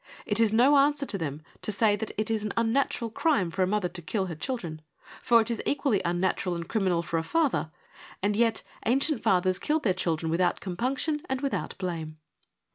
It is no answer to them to say that it is an unnatural crime for a mother to kill her children, for it is equally unnatural THE FOUR FEMINIST PLAYS 127 and criminal for a father, and yet ancient fathers killed their children without compunction and with out blame.